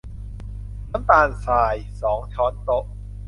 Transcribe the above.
น้ำตาลทราย สองช้อนโต๊ะ